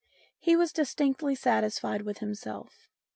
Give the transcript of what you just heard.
He was distinctly satisfied with himself.